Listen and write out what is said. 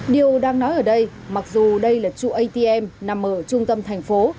điều đang nói ở đây mặc dù đây là trụ atm nằm ở trung tâm thành phố